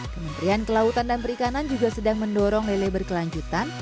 kementerian kelautan dan perikanan juga sedang mendorong lele berkelanjutan